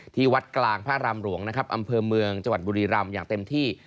ที่วัดกลางพระรามหลวงนะครับอำเภอเมืองจังหวัดบุรีรำอย่างเต็มที่